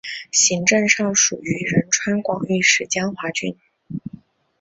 行政上属于仁川广域市江华郡。